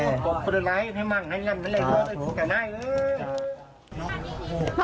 กลบประดับไหนให้มั่งให้มั่งให้มั่งเออ